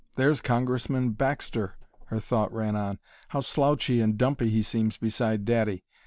"There's Congressman Baxter," her thought ran on. "How slouchy and dumpy he seems beside daddy!